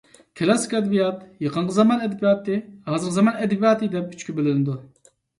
كلاسسىك ئەدەبىيات، يېقىنقى زامان ئەدەبىياتى، ھازىرقى زامان ئەدەبىياتى دەپ ئۆچكە بۆلۈنىدۇ.